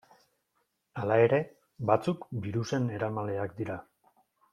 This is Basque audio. Hala ere, batzuk birusen eramaileak dira.